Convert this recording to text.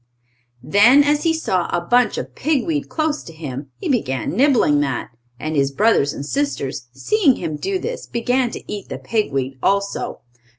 Then, as he saw a bunch of pig weed close to him, he began nibbling that. And his brothers and sisters, seeing him do this, began to eat the pig weed also.